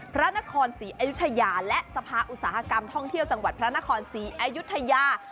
พระนครศรีอยุธยาและสภาอุตสาหกรรมท่องเที่ยวจังหวัดพระนครศรีอายุทยา